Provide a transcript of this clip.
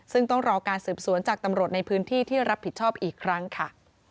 ซึ่งต้องรอการสืบสวนจากตำรวจในพื้นที่ที่รับผิดชอบอีกครั้งค่ะ